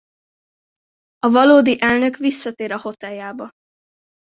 A valódi elnök visszatér a hoteljába.